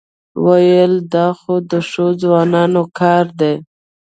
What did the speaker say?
وېل دا خو د ښو ځوانانو کار دی.